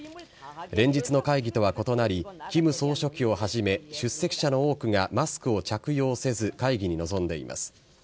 連日の会議とは異なり金総書記をはじめ出席者の多くがマスクを着用せず会議に臨んでいます。